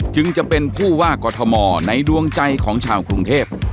จึงจะเป็นผู้ว่ากอทมในดวงใจของชาวกรุงเทพ